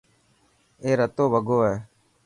اي رتو وڳو هي.